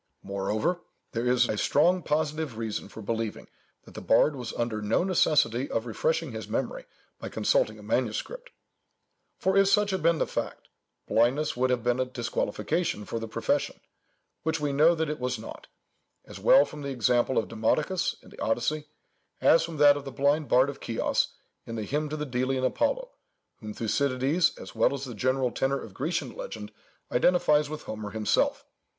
Moreover, there is a strong positive reason for believing that the bard was under no necessity of refreshing his memory by consulting a manuscript; for if such had been the fact, blindness would have been a disqualification for the profession, which we know that it was not, as well from the example of Demodokus, in the Odyssey, as from that of the blind bard of Chios, in the Hymn to the Delian Apollo, whom Thucydides, as well as the general tenor of Grecian legend, identifies with Homer himself.